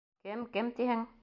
— Кем, кем тиһең?